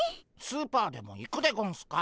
スーパーでも行くでゴンスか？